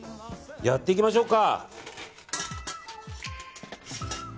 やっていきましょうか。